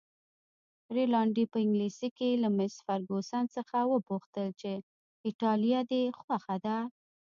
رینالډي په انګلیسي کې له مس فرګوسن څخه وپوښتل چې ایټالیه دې خوښه ده؟